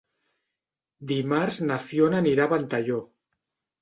Dimarts na Fiona anirà a Ventalló.